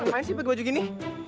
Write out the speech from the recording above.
lumayan sih pakai baju gini